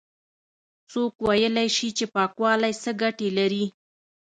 څوک ويلاى شي چې پاکوالی څه گټې لري؟